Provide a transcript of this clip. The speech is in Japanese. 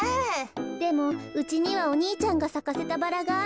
でもうちにはお兄ちゃんがさかせたバラがあるのよね。